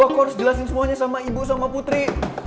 loko harus jelasin semuanya sama ibu sama putri